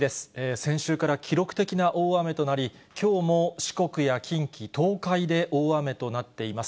先週から記録的な大雨となり、きょうも四国や近畿、東海で大雨となっています。